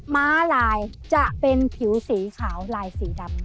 ม้าลายจะเป็นผิวสีขาวลายสีดำ